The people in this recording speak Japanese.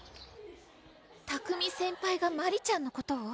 拓海先輩がマリちゃんのことを？